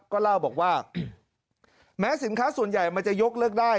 ก็เล่าบอกว่าแม้สินค้าส่วนใหญ่มันจะยกเลิกได้